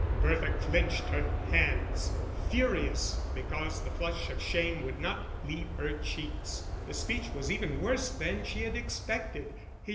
Bertha clenched her hands, furious because the flush of shame would not leave her cheeks. The speech was even worse than she had expected.